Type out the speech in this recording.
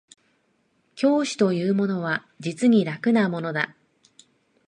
教師というものは実に楽なものだ